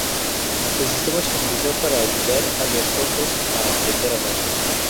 El sistema se utilizó para ayudar a los sordos a aprender a hablar.